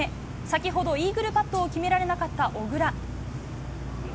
先ほど、イーグルパットを決められなかった小倉。